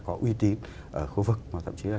có uy tín ở khu vực mà thậm chí là